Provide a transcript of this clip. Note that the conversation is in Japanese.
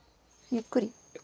ゆっくり。